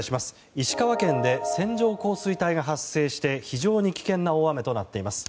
石川県で線状降水帯が発生して非常に危険な大雨となっています。